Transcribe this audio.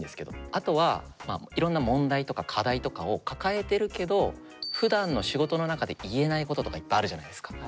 あとはまあいろんな問題とか課題とかを抱えてるけどふだんの仕事の中で言えないこととかいっぱいあるじゃないですか。